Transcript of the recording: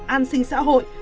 an sinh xã hội